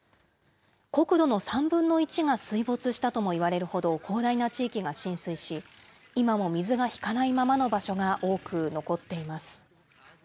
国土の３分の１が水没したともいわれるほど広大な地域が浸水し、今も水が引かないままの場所が多く残っています。